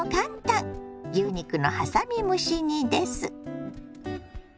牛肉のはさみ蒸し煮です。